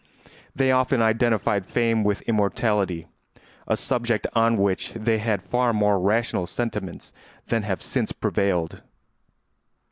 They often identified fame with immortality, a subject on which they had far more rational sentiments than have since prevailed.